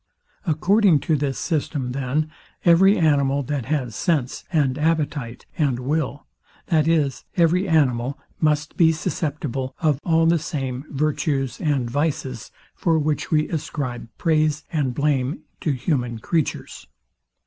According to this system, then, every animal, that has sense, and appetite, and will; that is, every animal must be susceptible of all the same virtues and vices, for which we ascribe praise and blame to human creatures.